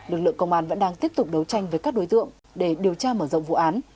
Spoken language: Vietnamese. lực lượng công an vẫn đang tiếp tục đấu tranh với các đối tượng để điều tra mở rộng vụ án